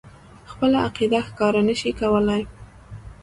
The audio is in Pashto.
خپله عقیده ښکاره نه شي کولای.